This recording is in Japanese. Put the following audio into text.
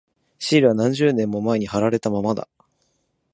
シールは何十年も前に貼られたままだ。